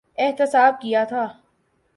احتساب کیا تھا۔